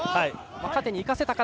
縦にいかせた形。